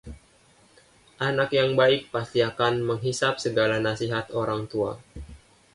anak yang baik pasti akan menghisab segala nasihat orang tua